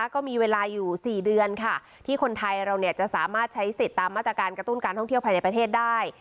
ก็มีเวลาอยู่๔เดือนค่ะที่คนไทยเราจะสามารถใช้สิทธิ์ตามมาตรการกระตุ้นการท่องเที่ยวภายในประเทศได้